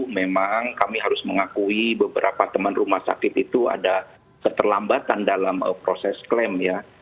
terus mengakui beberapa teman rumah sakit itu ada keterlambatan dalam proses klaim ya